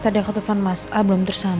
tadi aku telfon mas a belum tersambung